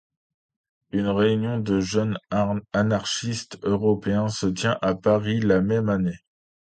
Une réunion de jeunes anarchistes Européen se tient à Paris la même année.